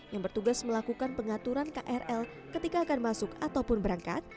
yang bertugas melakukan pengaturan krl ketika akan masuk ataupun berangkat